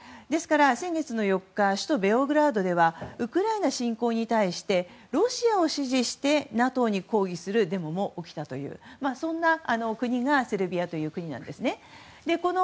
ですから、先月の４日首都ベオグラードではウクライナ侵攻に対してロシアを支持してＮＡＴＯに抗議するデモも起きたというそんな国がセルビアという国なんですね。